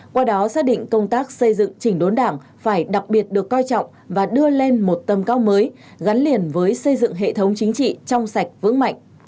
qua đó xác định công tác xây dựng chỉnh đốn đảng phải đặc biệt được coi trọng và đưa lên một tầm cao mới gắn liền với xây dựng hệ thống chính trị trong sạch vững mạnh